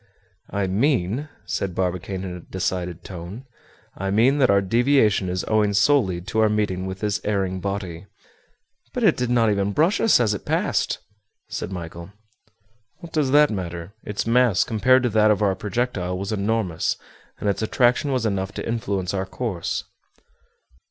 "I mean," said Barbicane in a decided tone, "I mean that our deviation is owing solely to our meeting with this erring body." "But it did not even brush us as it passed," said Michel. "What does that matter? Its mass, compared to that of our projectile, was enormous, and its attraction was enough to influence our course."